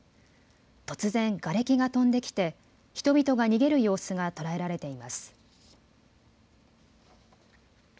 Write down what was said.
突然、がれきが飛んできて人々が逃げる様子が捉えられています。